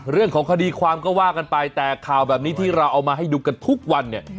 เรื่องของคดีความก็ว่ากันไปแต่ข่าวแบบนี้ที่เราเอามาให้ดูกันทุกวันเนี่ย